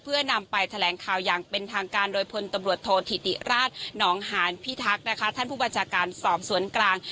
เพื่อนำไปแถลงข่าวอย่างเป็นทางการโดยพลตำรวจโทษธิติราชหนองหานพิทักษ์นะคะท่านผู้บัญชาการสอบสวนกลาง